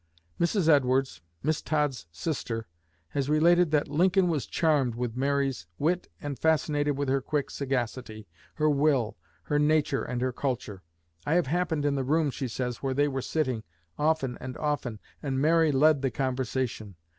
Mrs. Edwards, Miss Todd's sister, has related that "Lincoln was charmed with Mary's wit and fascinated with her quick sagacity, her will, her nature and culture. I have happened in the room," she says, "where they were sitting, often and often, and Mary led the conversation.